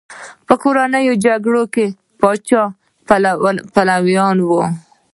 په کورنۍ جګړه کې د پاچا پلویان وو.